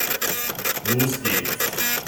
Los geht's!